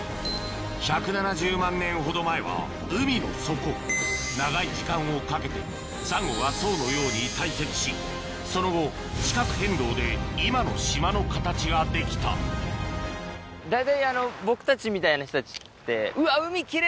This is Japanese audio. １７０万年ほど前は海の底長い時間をかけてサンゴが層のように堆積しその後地殻変動で今の島の形ができた大体。